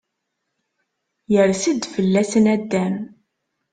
Yers-d fella-s naddam.